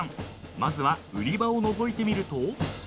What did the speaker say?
［まずは売り場をのぞいてみると］